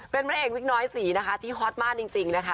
เป็นพระเอกวิกน้อยสีนะคะที่ฮอตมากจริงนะคะ